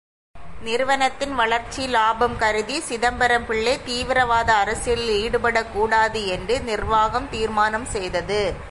நிறுவனத்தின் வளர்ச்சி, லாபம் கருதி, சிதம்பரம் பிள்ளை தீவிரவாத அரசியலில் ஈடுபடக் கூடாது என்று நிர்வாகம் தீர்மானம் செய்தது.